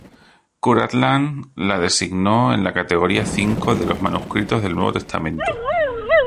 Kurt Aland la designó a la Categoría V de los manuscritos del Nuevo Testamento.